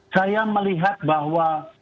saya melihat bahwa